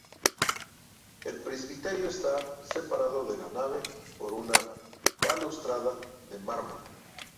El presbiterio está separado de la nave por una balaustrada de mármol.